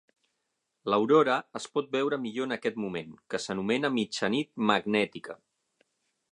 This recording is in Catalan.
L'aurora es pot veure millor en aquest moment, que s'anomena "mitjanit magnètica".